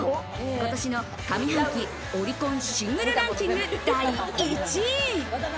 今年の上半期オリコンシングルランキング第１位。